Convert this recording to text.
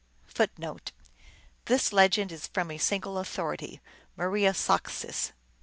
1 1 This legend is from a single authority, Maria Saksis.